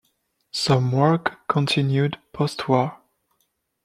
Some work continued postwar.